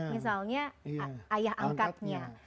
misalnya ayah angkatnya